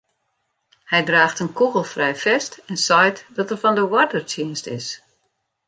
Hy draacht in kûgelfrij fest en seit dat er fan de oardertsjinst is.